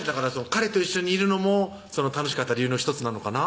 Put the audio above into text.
彼と一緒にいるのも楽しかった理由の１つなのかな？